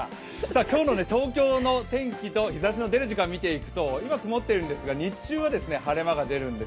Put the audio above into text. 今日の東京の天気と日ざしの出る時間を見ていくと今曇っているんですが、日中は晴れ間が出ます。